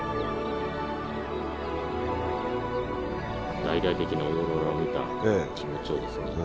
大々的なオーロラを見た気持ちをですね